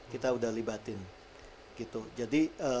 kita udah libatin gitu jadi